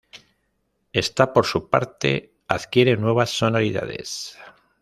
Ésta, por su parte, adquiere nuevas sonoridades.